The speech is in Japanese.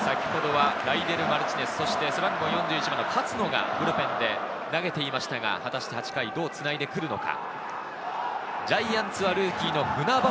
先ほどはライデル・マルティネス、そして背番号４１番の勝野がブルペンで投げていましたが、果たして８回、どうつないでくるのか？